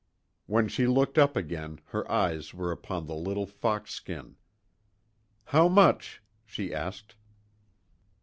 When she looked up again her eyes were upon the little fox skin. "How much?" she asked.